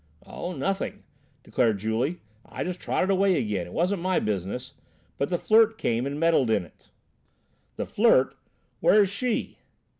"Oh, nothing," declared Julie. "I just trotted away again; it wasn't my business, but the Flirt came and meddled in it." "The Flirt! Where is she?"